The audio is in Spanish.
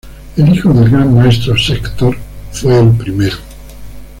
El hijo del gran maestro, Sektor, fue el primero.